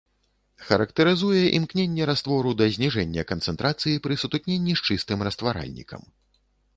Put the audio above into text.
Характарызуе імкненне раствору да зніжэння канцэнтрацыі пры сутыкненні з чыстым растваральнікам.